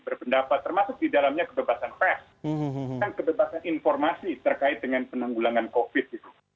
berpendapat termasuk di dalamnya kebebasan pers kan kebebasan informasi terkait dengan penanggulangan covid